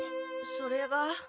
それが。